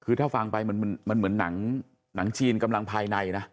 คือถ้าฟังไปมันเหมือนหนังจีนกำลังภายในนะ